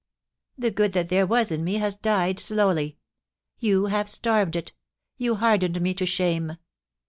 The good that there was in me has died slowly. You have starved it You hardened me to shame.